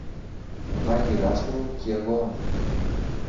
ο μάγειρας μου κι εγώ!